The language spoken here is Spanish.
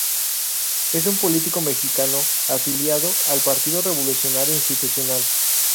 Es un político mexicano afiliado al Partido Revolucionario Institucional.